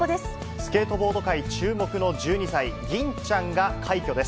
スケートボード界注目の１２歳、吟ちゃんが快挙です。